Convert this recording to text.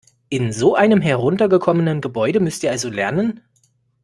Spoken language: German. In so einem heruntergekommenen Gebäude müsst ihr also lernen?